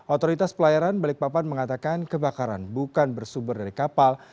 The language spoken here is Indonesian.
otoritas pelayaran balikpapan mengatakan kebakaran bukan bersumber dari kapal